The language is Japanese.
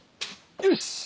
よし！